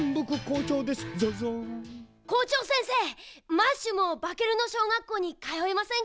マッシュもバケルノ小学校にかよえませんか？